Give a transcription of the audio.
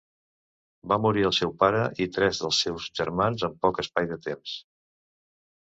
Va morir el seu pare i tres dels seus germans en poc espai de temps.